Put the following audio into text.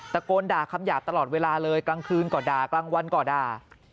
ตะโกนด่าคำหยาบตลอดเวลาเลยกลางคืนก็ด่ากลางวันก็ด่า